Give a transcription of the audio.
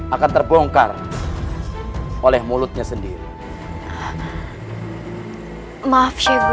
akan terbongkar oleh mulutnya sendiri maaf syekh guru